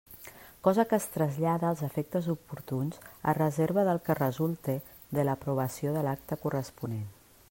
Cosa que es trasllada als efectes oportuns, a reserva del que resulte de l'aprovació de l'acta corresponent.